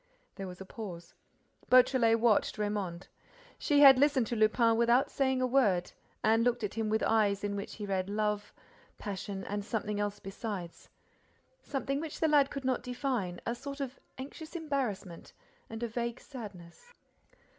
There was a pause. Beautrelet watched Raymonde. She had listened to Lupin without saying a word and looked at him with eyes in which he read love, passion and something else besides, something which the lad could not define, a sort of anxious embarrassment and a vague sadness.